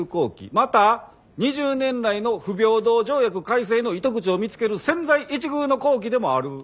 また２０年来の不平等条約改正の糸口を見つける千載一遇の好機でもある。